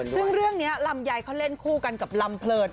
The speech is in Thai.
ซึ่งเรื่องนี้ลำไยเขาเล่นคู่กันกับลำเพลิน